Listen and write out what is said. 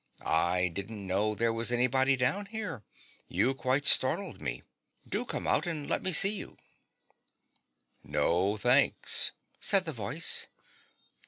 ' I didn't know there was anybody down here. You quite startled me. Do come out and let me see you.' ' No, thanks,' said the voice.